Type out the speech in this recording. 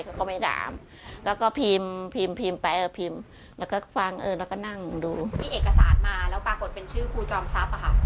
เขาก็ไม่ถามแล้วก็พิมพ์พิมพ์พิมพ์พิมพ์ไปเออพิมพ์แล้วก็ฟังเออแล้วก็นั่งดูมีเอกสารมาแล้วปรากฏเป็นชื่อครูจอมทรัพย์อะค่ะ